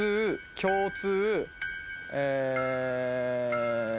共通。